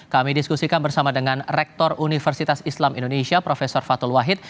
kami diskusikan bersama dengan rektor universitas islam indonesia prof fatul wahid